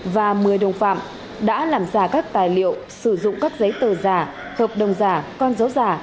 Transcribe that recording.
và một mươi đồng phạm đã làm giả các tài liệu sử dụng các giấy tờ giả hợp đồng giả con dấu giả